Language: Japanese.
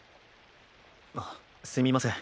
あっすみません。